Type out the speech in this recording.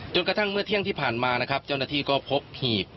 กระทั่งเมื่อเที่ยงที่ผ่านมานะครับเจ้าหน้าที่ก็พบหีบ